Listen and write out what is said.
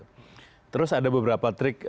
ketika auranya muncul itu rasa ketertarikannya gitu